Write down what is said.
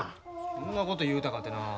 そんなこと言うたかてな。